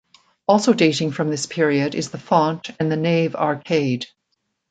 Also dating from this period is the font and the nave arcade.